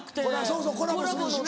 そうそうコラボするしな。